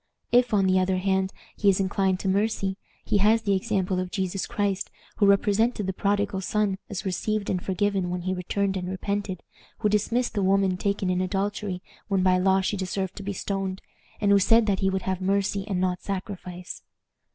If, on the other hand, he is inclined to mercy, he has the example of Jesus Christ, who represented the prodigal son as received and forgiven when he returned and repented, who dismissed the woman taken in adultery, when by the law she deserved to be stoned, and who said that he would have mercy and not sacrifice."